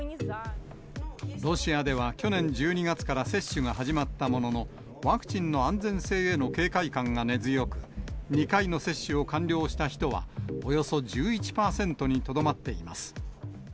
ロシアでは去年１２月から接種が始まったものの、ワクチンの安全性への警戒感が根強く、２回の接種を完了した人は、およそ１１％にとどまっています。